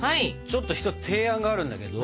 ちょっと一つ提案があるんだけど。